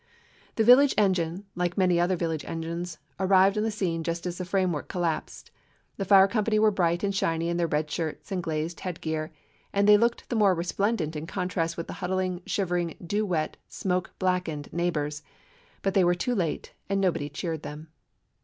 The village engine, like many other village engines, arrived on the scene just as the framework collapsed. The fire company were bright and shiny in their red shirts and glazed head gear, and they looked the more resplen dent in contrast with the huddled, shivering^ 250 A DOG OF THE EASTERN STATES dew wet, smoke blackened neighbors. But they were too late, and nobody cheered them.